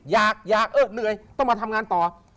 อยากเหรอเนื่อยต้องมาทำงานต่อ